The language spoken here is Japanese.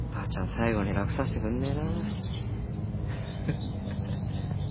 最後にラクさせてくんねえな。